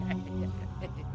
hei tenang aja